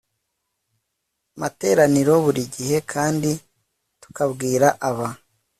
materaniro buri gihe kandi tukabwira aba